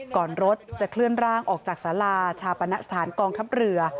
รถจะเคลื่อนร่างออกจากสาราชาปณสถานกองทัพเรือ